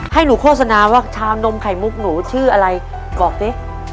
ให้หนูโฆษณาว่าชามนมไข่มุกหนูชื่ออะไรบอกดิ